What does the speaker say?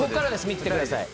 見ててください。